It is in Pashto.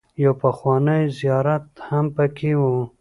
يو پخوانی زيارت هم پکې و.